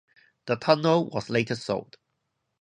The tunnel was later sold.